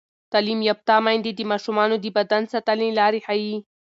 تعلیم یافته میندې د ماشومانو د بدن ساتنې لارې ښيي.